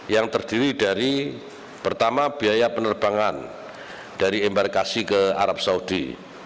yang terdiri dari pertama biaya penerbangan dari embarkasi ke arab saudi